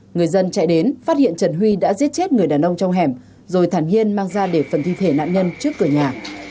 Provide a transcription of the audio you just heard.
người dân chạy đến phát hiện trần huy đã giết chết người đàn ông trong hẻm rồi thản hiên mang ra để phần thi thể nạn nhân trước cửa nhà